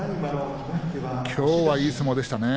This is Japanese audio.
きょうはいい相撲でしたね。